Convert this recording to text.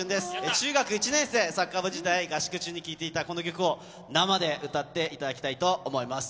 中学１年生、サッカー部時代、合宿中に聴いていたこの曲を、生で歌っていただきたいと思います。